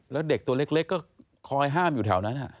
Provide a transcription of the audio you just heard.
แล้วเด็กตัวเล็กก็คอยห้ามอยู่แถวนั้น